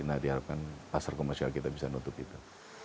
nah diharapkan pasar komersial kita bisa nutup itu